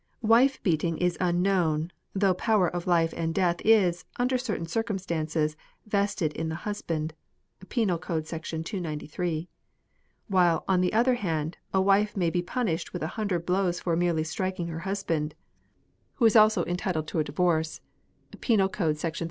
Wife beating is unknown, though power of life and death is, under certain circumstances, vested in the husband (Penal Code, § 293) ; while, on the other hand, a wife may be punished with a hundred blows for merely striking her husband, who is also entitled to a divorce THE POSITION OF WOMEN.